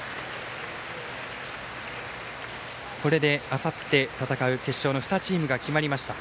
これであさって戦う決勝の２チームが決まりました。